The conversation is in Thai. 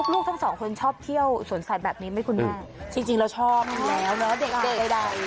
ลูกทั้ง๒คนสอบเที่ยวแบบนี้เถียวไหม